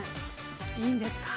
いいんですか？